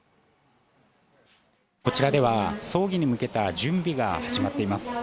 こちらでは葬儀に向けた準備が始まっています。